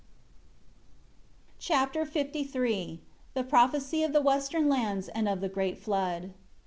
Chapter LIII The prophecy of the Western Lands and of the great flood.